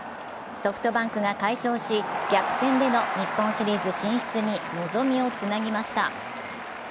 ソフトバンクが快勝し逆転での日本シリーズ進出に望みをつなぎました。